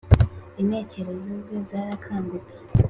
intekerezo ze zarakangutse